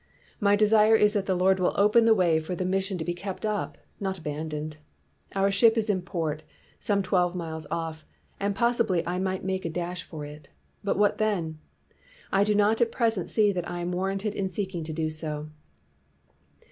My desire is that the Lord will open the way for the mission to be kept up, not abandoned. Our ship is in port, some twelve miles off, and possibly I might make a dash for it; but what then'? I do not at present see that I am warranted in seeking to do so.